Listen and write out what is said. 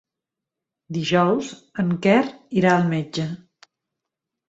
Dijous en Quer irà al metge.